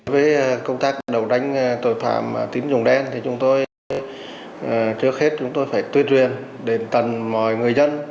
với công tác đấu tranh tội phạm tín dùng đen trước hết chúng tôi phải tuyên truyền đến tầng mọi người dân